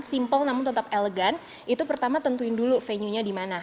simple namun tetap elegan itu pertama tentuin dulu venue nya di mana